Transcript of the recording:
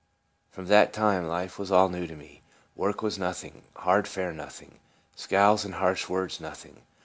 From that time life was all new to me. Work was nothing; hard fare nothing; scowls and harsh words nothing.